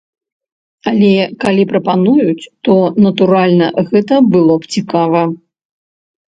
Але, калі прапануюць, то, натуральна, гэта было б цікава.